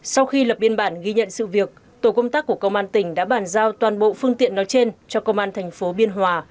sau khi lập biên bản ghi nhận sự việc tổ công tác của công an tỉnh đã bàn giao toàn bộ phương tiện nói trên cho công an thành phố biên hòa